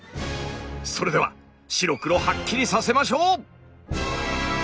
それでは白黒はっきりさせましょう！